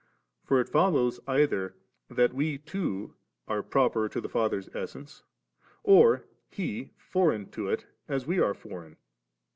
for it follows either that we too are proper to the Father's Essence, or He foreign to it, as we are foreign.'